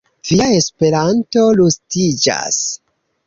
Via Esperanto rustiĝas.